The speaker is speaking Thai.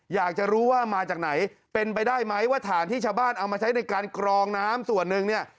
อยากจะรู้ว่ามาจากไหนเป็นไปได้ไหมว่าฐานที่ชาวบ้านเอามาใช้ในการกรองน้ำส่วนหนึ่งเนี่ย